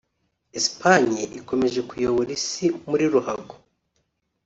Espagne ikomeje kuyobora isi muri ruhago